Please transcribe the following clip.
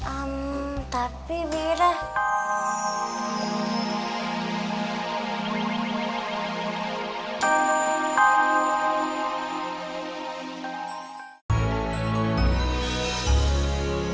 sini berangkatnya sama si boroding